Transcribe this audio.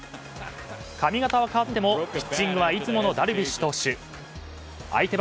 髪形は変わっても、ピッチングはいつものダルビッシュ投手。